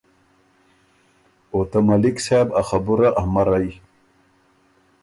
او ته ملک صاحب ا خبُرئ امرئ۔